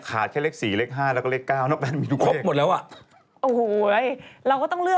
ถ้าเกิดว่าถูกตรงนี้อื้อฮือ